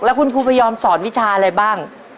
แล้วคุณครูไปยอมสอนวิชาอะไรบ้าง